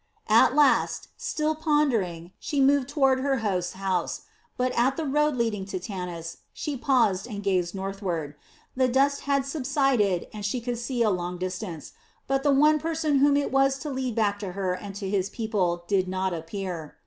At last, still pondering, she moved toward her host's house, but at the road leading to Tanis, she paused and gazed northward. The dust had subsided, and she could see a long distance, but the one person whom it was to lead back to her and to his people did not appear.